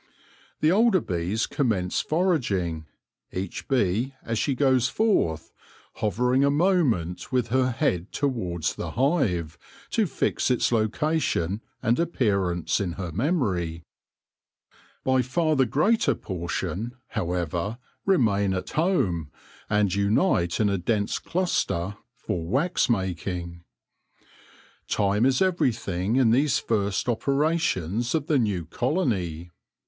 The older bees commence foraging, each bee as she goes forth hovering a moment with her head towards the hive, to fix its location and appear ance in her memory. By far the greater portion, however, remain at home and unite in a dense cluster for wax making. Time is everything in these first operations of the new colony.